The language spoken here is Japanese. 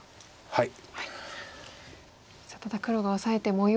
はい。